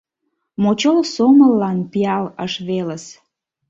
Мочол сомыллан пиал ыш велыс